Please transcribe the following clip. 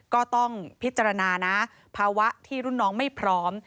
ก็ต้องพิจารณานะภาวะที่รุ่นน้องไม่พร้อม